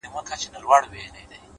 څنگه دي هېره كړمه;